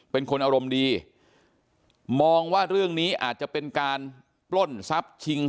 เป็นคนอารมณ์ดีมองว่าเรื่องนี้อาจจะเป็นการปล้นทรัพย์ชิง